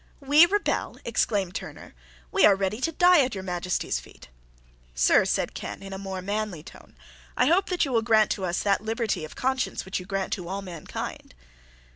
"We rebel!" exclaimed Turner; "we are ready to die at your Majesty's feet." "Sir," said Ken, in a more manly tone, "I hope that you will grant to us that liberty of conscience which you grant to all mankind."